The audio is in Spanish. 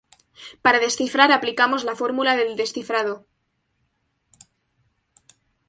Para descifrar aplicamos la fórmula de descifrado.